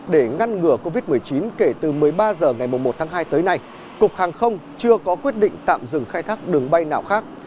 để ngăn ngừa covid một mươi chín kể từ một mươi ba h ngày một tháng hai tới nay cục hàng không chưa có quyết định tạm dừng khai thác đường bay nào khác